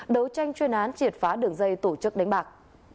đấu tranh chuyên án triệt phá đường dây tổ chức đánh bạc